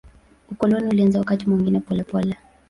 Ukoloni ulianza wakati mwingine polepole.